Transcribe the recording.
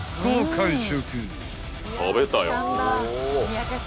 完食。